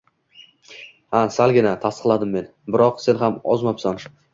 Ha, salgina, – tasdiqladim men, – biroq sen ham ozmabsan.